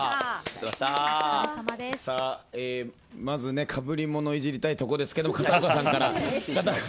まず被り物をイジりたいところですけど片岡さんから。